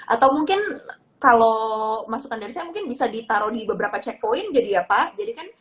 atau mungkin kalau masukan dari saya mungkin bisa ditaruh di beberapa checkpoint jadi ya pak